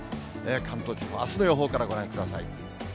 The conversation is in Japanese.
関東地方、あすの予報からご覧ください。